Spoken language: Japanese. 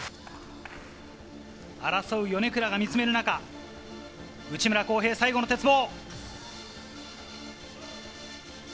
争う米倉が見つめる中内村航平、最後の鉄棒。